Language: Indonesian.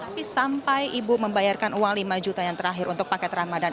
tapi sampai ibu membayarkan uang lima juta yang terakhir untuk paket ramadan